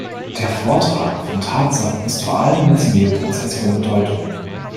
Der Vortrag von Tatsachen ist vor allem im Zivilprozess von Bedeutung.